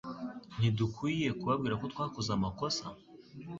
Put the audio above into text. Ntidukwiye kubabwira ko twakoze amakosa?